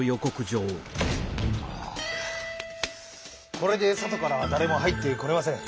これでそとからはだれも入ってこれません。